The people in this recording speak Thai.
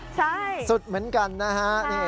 ใช่สุดเหมือนกันนะฮะ